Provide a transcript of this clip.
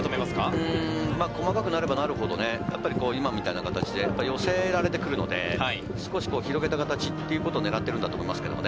細かくなればなるほど今みたいな形で寄せられてくるので、少し広げたかたちというのを狙っているんだと思いますけどね。